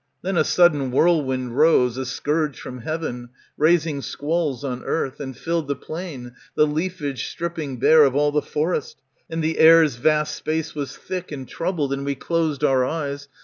Then a sudden whirlwind rose, A scourge from heaven, raising squalls on earth, And filled the plain, the leafage stripping bare Of all the forest, and the air's vast space *^^ Was thick and troubled, and we closed our eyes.